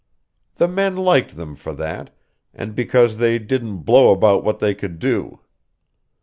The men liked them for that, and because they didn't blow about what they could do.